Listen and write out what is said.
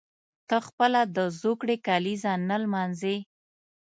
ته خپله د زوکړې کلیزه نه لمانځي.